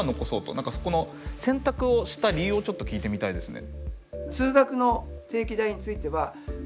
何かそこの選択をした理由をちょっと聞いてみたいですね。